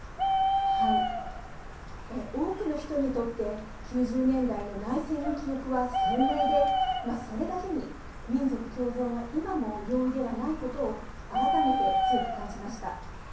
多くの人にとって９０年代の内戦の記憶は鮮明でそれだけに、民族共存は今も容易ではないことを改めて強く感じました。